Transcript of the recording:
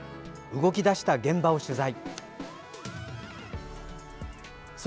動き出した現場を取材。